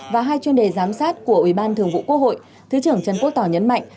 và hai chuyên đề giám sát của ủy ban thường vụ quốc hội thứ trưởng trần quốc tỏ nhấn mạnh